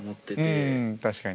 うん確かに。